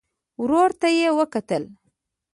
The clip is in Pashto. ورور ته يې وکتل.